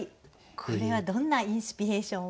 これはどんなインスピレーションを？